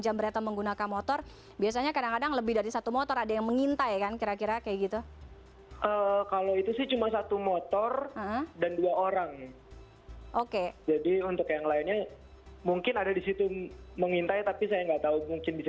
orang oke jadi untuk yang lainnya mungkin ada di situ mengintai tapi saya nggak tahu mungkin bisa